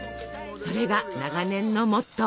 それが長年のモットー。